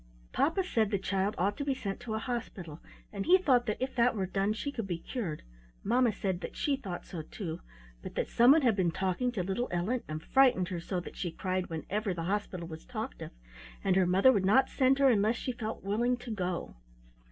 Papa said the child ought to be sent to a hospital, and he thought that if that were done she could be cured. Mamma said that she thought so too; but that someone had been talking to little Ellen, and frightened her so that she cried whenever the hospital was talked of, and her mother would not send her unless she felt willing to go.